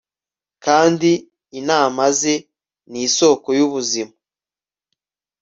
kandi inama ze ni isoko y'ubuzima